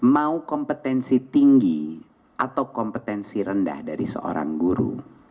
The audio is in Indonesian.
mau kompetensi tinggi atau kompetensi rendah dari seorang guru